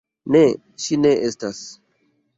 Ne, ŝi ne estas.